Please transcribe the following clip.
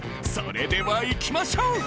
それではいきましょう。